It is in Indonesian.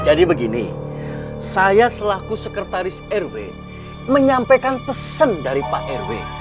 jadi begini saya selaku sekretaris rw menyampaikan pesan dari pak rw